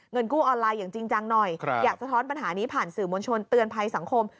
เงินกู้ออนไลน์อย่างจริงจังหน่อยอยากสะท้อนปัญหานี้ผ่านสื่อมวลชนเตือนภัยสังคม